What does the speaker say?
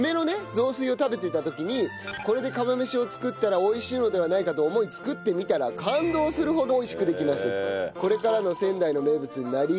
これで釜飯を作ったら美味しいのではないかと思い作ってみたら感動するほど美味しくできました。